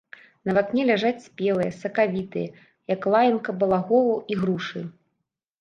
На вакне ляжаць спелыя, сакавітыя, як лаянка балаголаў, ігрушы.